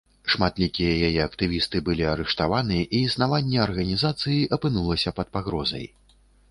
Шматлікія яе актывісты былі арыштаваны, і існаванне арганізацыі апынулася пад пагрозай.